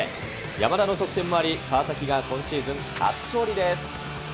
山田の得点もあり、川崎が今シーズン初勝利です。